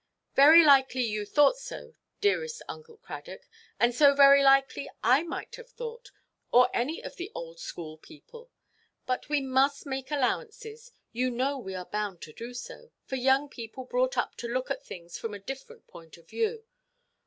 "Very likely you thought so, dearest Uncle Cradock; and so very likely I might have thought, or any of the old–school people. But we must make allowances—you know we are bound to do so—for young people brought up to look at things from a different point of view."